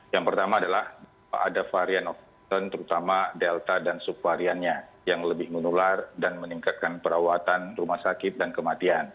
yang pertama adalah ada varian of con terutama delta dan subvariannya yang lebih menular dan meningkatkan perawatan rumah sakit dan kematian